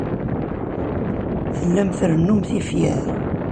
Tellam trennum tifyar.